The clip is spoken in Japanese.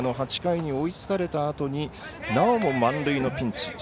８回に追いつかれたあとになおも満塁のピンチ。